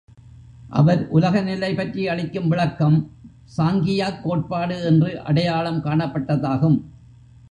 அவர் உலகநிலை பற்றி அளிக்கும் விளக்கம் சாங்கியாக் கோட்பாடு என்று அடையாளம் காணப்பட்டதாகும்.